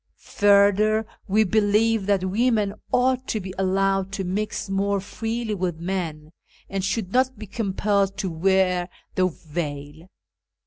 Further, we believe that women ought to be allowed to mix more freely with men, and should not be compelled to wear the veil.